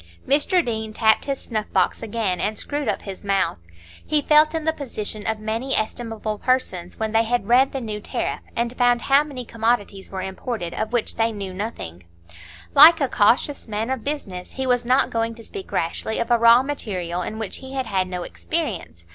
Mr Deane tapped his snuff box again and screwed up his mouth; he felt in the position of many estimable persons when they had read the New Tariff, and found how many commodities were imported of which they knew nothing; like a cautious man of business, he was not going to speak rashly of a raw material in which he had had no experience.